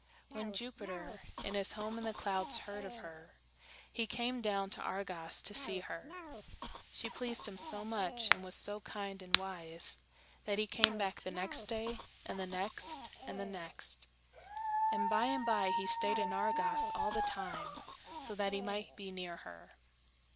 When Jupiter, in his home in the clouds, heard of her, he came down to Argos to see her. She pleased him so much, and was so kind and wise, that he came back the next day and the next and the next; and by and by he stayed in Argos all the time so that he might be near her.